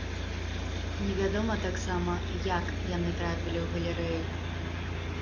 Невядома таксама, як яны трапілі ў галерэю.